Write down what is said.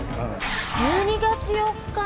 １２月４日？